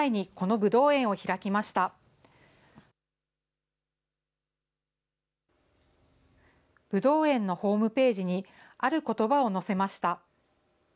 ぶどう園のホームページに、あることばを載せました。